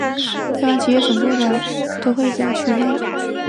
台湾企业总部部份聚集在台南都会区及嘉义都会区内。